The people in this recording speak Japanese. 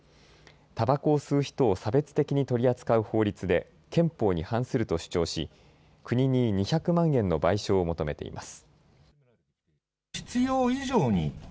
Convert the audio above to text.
たばこを吸う人を差別的に取り扱う法律で憲法に反すると主張し国に２００万円の賠償を求めています。